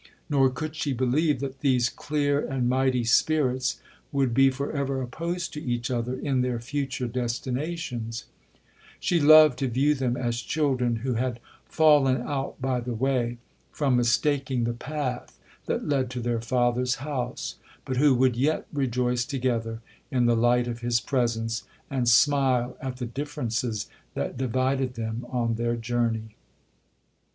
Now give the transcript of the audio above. Nor could she believe that these clear and mighty spirits would be for ever opposed to each other in their future destinations,—she loved to view them as children who had 'fallen out by the way,' from mistaking the path that led to their father's house, but who would yet rejoice together in the light of his presence, and smile at the differences that divided them on their journey.